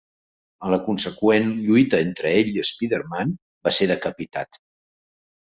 En la conseqüent lluita entre ell i Spider-Man, va ser decapitat.